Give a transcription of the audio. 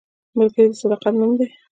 ملګری د صداقت نوم دی